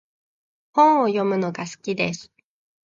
本を読むのが好きです。